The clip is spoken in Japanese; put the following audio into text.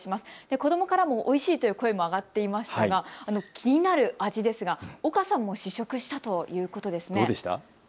子どもからもおいしいという声が上がっていましたが気になる味ですが、岡さんも試食したということですね。